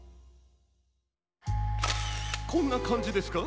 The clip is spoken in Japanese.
こんなかんじですか？